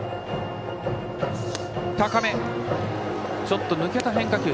高めちょっと抜けた変化球。